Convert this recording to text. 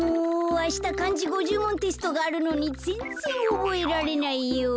あしたかんじ５０もんテストがあるのにぜんぜんおぼえられないよ。